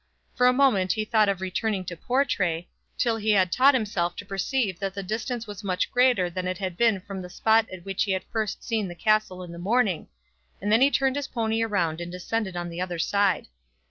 For a moment he thought of returning to Portray, till he had taught himself to perceive that the distance was much greater than it had been from the spot at which he had first seen the castle in the morning; and then he turned his pony round and descended on the other side.